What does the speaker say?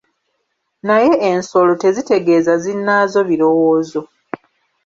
Naye ensolo tezitegeeza zinnaazo birowoozo.